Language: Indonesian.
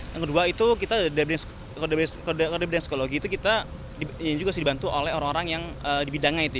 yang kedua itu kita kode dan psikologi itu kita juga dibantu oleh orang orang yang di bidangnya itu ya